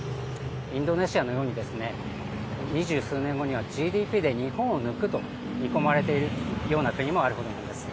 インドネシアのように、二十数年後にはＧＤＰで日本を抜くと見込まれているような国もあるほどなんです。